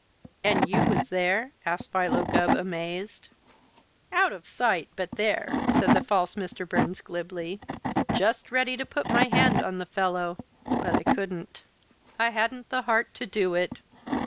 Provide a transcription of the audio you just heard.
"And you was there?" asked Philo Gubb, amazed. "Out of sight, but there," said the false Mr. Burns glibly. "Just ready to put my hand on the fellow but I couldn't. I hadn't the heart to do it.